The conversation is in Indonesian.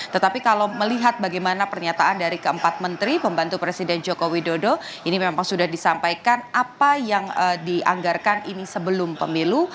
tetapi kalau melihat bagaimana pernyataan dari keempat menteri pembantu presiden joko widodo ini memang sudah disampaikan apa yang dianggarkan ini sebelum pemilu